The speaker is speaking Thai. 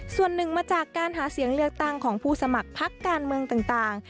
ส่วนหนึ่งมาจากการหาเสียงเลือกตั้งของผู้สมัครพักการเมืองต่าง